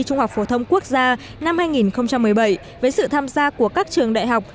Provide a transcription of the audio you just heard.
trung học phổ thông quốc gia năm hai nghìn một mươi bảy với sự tham gia của các trường đại học